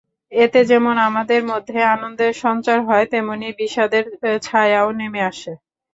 এতে যেমন আমাদের মধ্যে আনন্দের সঞ্চার হয়, তেমনি বিষাদের ছায়াও নেমে আসে।